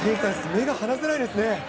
目が離せないですね。